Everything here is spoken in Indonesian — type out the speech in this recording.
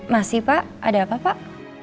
masih pak ada apa pak